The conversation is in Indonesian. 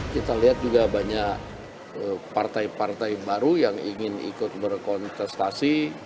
kita lihat juga banyak partai partai baru yang ingin ikut berkontestasi